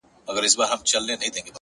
o ستا د ږغ څــپــه ؛ څـپه ؛څپــه نـه ده؛